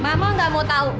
mama ga mau tau